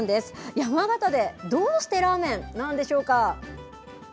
山形で、どうしてラーメンなんでしょうか。